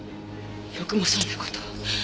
よくもそんな事を。